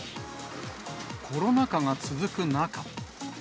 コロナ禍が続く中。